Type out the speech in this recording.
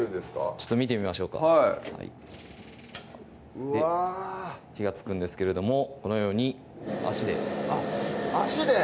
ちょっと見てみましょうかうわ火がつくんですけれどもこのように脚であっ脚で！